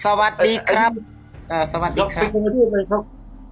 สวัสดีครับเอ่อสวัสดีครับสวัสดีครับ